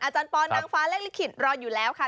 อาจารย์ปอล์นางฟ้าเลขละขิดรออยู่แล้วค่ะ